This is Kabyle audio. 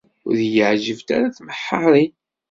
Ur yi-εǧibent ara tmeḥḥarin.